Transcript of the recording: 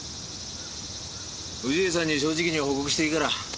氏家さんに正直に報告していいから。